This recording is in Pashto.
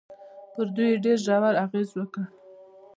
پر دوی يې ډېر ژور اغېز وکړ.